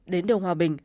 đến đường hòa bình